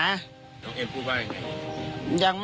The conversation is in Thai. น้องเอ็มพูดว่ายังไง